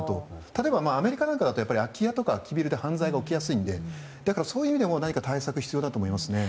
例えば、アメリカなんかだと空き家や空きビルで犯罪が起きやすいので対策が必要だと思いますね。